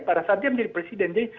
pada saat dia menjadi presiden